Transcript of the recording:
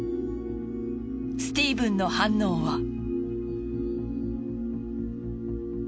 スティーブンの反応は。